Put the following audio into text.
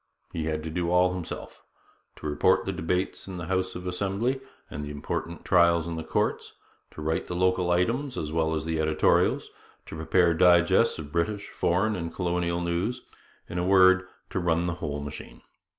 He had to do all himself: to report the debates in the House of Assembly and important trials in the courts, to write the local items as well as the editorials, to prepare digests of British, foreign, and colonial news; in a word, to 'run the whole machine.'